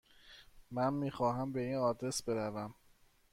من میخواهم به این آدرس بروم.